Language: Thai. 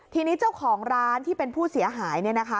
ทีนี้เจ้าของร้านที่เป็นผู้เสียหายเนี่ยนะคะ